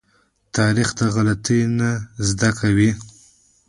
تاریخ د غلطيو نه زده کوي.